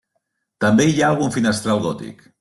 També hi ha algun finestral gòtic.